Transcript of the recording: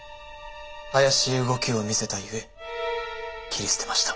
怪しい動きを見せたゆえ斬り捨てました。